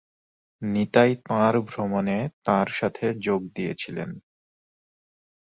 নিতাই তাঁর ভ্রমণে তাঁর সাথে যোগ দিয়েছিলেন।